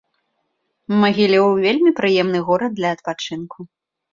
Магілёў вельмі прыемны горад для адпачынку.